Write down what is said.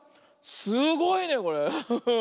すごいねこれ。